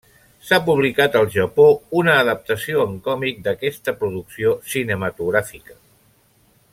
S'ha publicat al Japó una adaptació en còmic d'aquesta producció cinematogràfica.